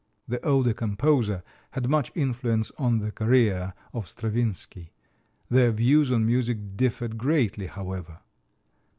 The older composer had much influence on the career of Stravinsky. Their views on music differed greatly, however.